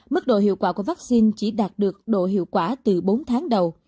mức độ hiệu quả của vaccine chỉ đạt được độ hiệu quả từ bốn tháng đầu